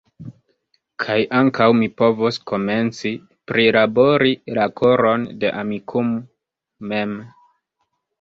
Kaj ankaŭ mi povos komenci prilabori la koron de Amikumu mem.